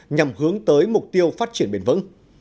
nhằm hướng tới mục tiêu phát triển bền vững